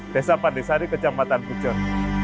desa pandesari kecamatan pujon